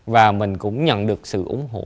và mình cũng nhận được sự ủng hộ